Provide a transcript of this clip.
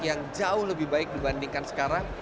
yang jauh lebih baik dibandingkan sekarang